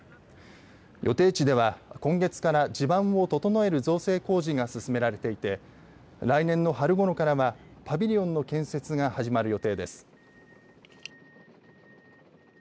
予定地では今月から地盤を整える造成工事が進められていて来年の春ごろからはパビリオンの建設が始まる予定です。